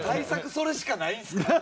それしかないんですか？